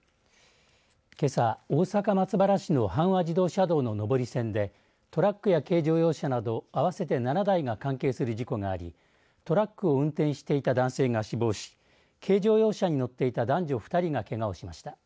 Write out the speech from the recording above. けさ、大阪松原市の阪和自動車道の上り線でトラックや軽乗用車など合わせて７台が関係する事故がありトラックを運転していた男性が死亡し軽乗用車に乗っていた男女２人がけがをしました。